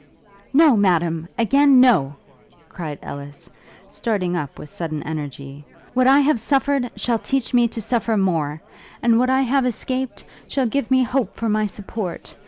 'No, Madam! again no!' cried Ellis, starting up with sudden energy: 'What I have suffered shall teach me to suffer more, and what I have escaped, shall give me hope for my support!